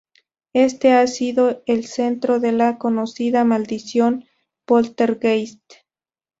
Éste ha sido el centro de la conocida "Maldición poltergeist".